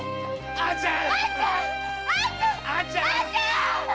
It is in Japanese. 兄ちゃん！